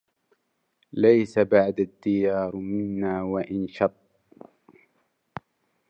ليس بعد الديار منا وإن شط